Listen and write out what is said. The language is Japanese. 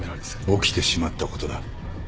起きてしまったことだ。